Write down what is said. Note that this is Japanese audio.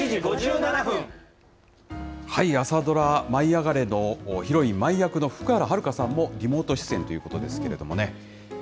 朝ドラ舞いあがれ！のヒロイン、舞役の福原遥さんもリモート出演ということですけれどもね。